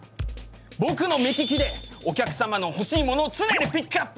僕の目利きでお客様の欲しいものを常にピックアップ！